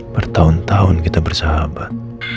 bertahun tahun kita bersahabat